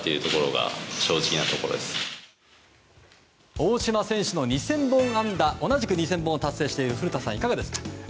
大島選手の２０００本安打同じく２０００本を達成している古田さん、いかがですか。